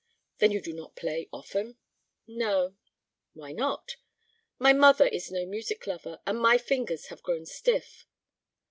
"Then you do not play often?" "No." "Why not?" "My mother is no music lover. And my fingers have grown stiff."